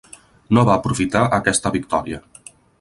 No va aprofitar aquesta victòria.